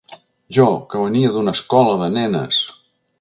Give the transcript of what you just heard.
Jo, que venia d’una escola de nenes!